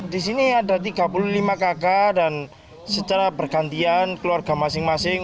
di sini ada tiga puluh lima kakak dan secara bergantian keluarga masing masing